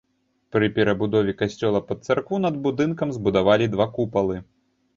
Пры перабудове касцёла пад царкву над будынкам збудавалі два купалы.